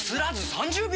３０秒！